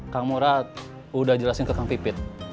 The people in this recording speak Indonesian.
kang murad udah jelasin ke kang pipit